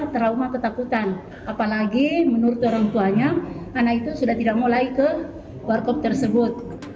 trauma ketakutan apalagi menurut orang tuanya anak itu sudah tidak mulai ke warkop tersebut